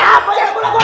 kebakaran malah kebakaran